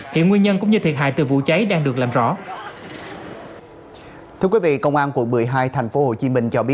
hiện nguyên nhân cũng như thiệt hại từ vụ cháy đang được làm rõ